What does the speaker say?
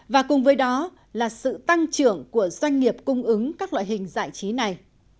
và cùng với đó là sự tăng trưởng của doanh nghiệp cung ứng các loại hình giải trí này